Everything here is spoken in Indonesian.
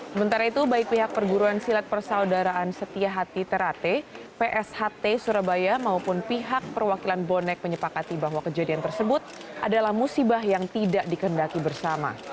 sementara itu baik pihak perguruan silat persaudaraan setia hati terate psht surabaya maupun pihak perwakilan bonek menyepakati bahwa kejadian tersebut adalah musibah yang tidak dikendaki bersama